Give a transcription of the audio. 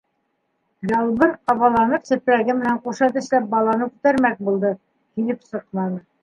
Ялбыр, ҡабаланып, сепрәге менән ҡуша тешләп баланы күтәрмәк булды, килеп сыҡманы.